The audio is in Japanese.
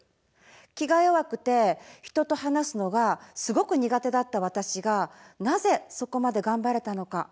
気が弱くて人と話すのがすごく苦手だった私がなぜそこまでがんばれたのか？